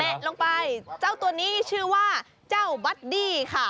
ลงไปเจ้าตัวนี้ชื่อว่าเจ้าบัดดี้ค่ะ